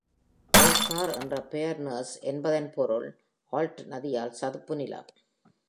ஆல்ட்கார் என்ற பெயர் நார்ஸ் என்பதன் பொருள் 'ஆல்ட் நதியால் சதுப்பு நிலம்'.